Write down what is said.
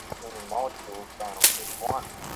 আমি নিজে পড়ে যাওয়ার আগে, আমি চাই ও উড়তে শিখে যাক।